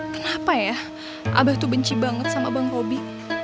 kenapa ya abah tuh benci banget sama bang robi